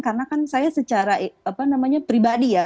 karena kan saya secara pribadi ya